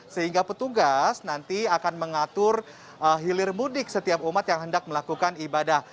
sehingga petugas nanti akan mengatur hilir mudik setiap umat yang hendak melakukan ibadah